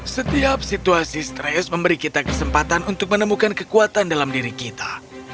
setiap situasi stres memberi kita kesempatan untuk menemukan kekuatan dalam diri kita